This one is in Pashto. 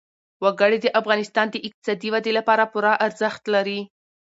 وګړي د افغانستان د اقتصادي ودې لپاره پوره ارزښت لري.